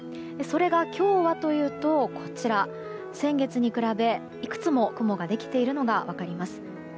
それが、今日はというと先月に比べいくつも雲ができているのが分かります。